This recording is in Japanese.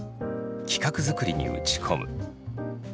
企画づくりに打ち込む。